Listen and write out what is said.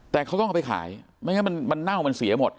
แต่เขาต้องเอาไปขายไม่งั้นมันเน่ามันเสียหมด